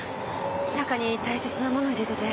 中に大切なものを入れてて。